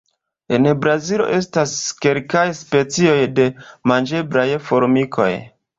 En Brazilo estas kelkaj specoj de manĝeblaj formikoj.